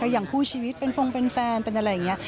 อย่างคู่ชีวิตเป็นฟงเป็นแฟนเป็นอะไรอย่างนี้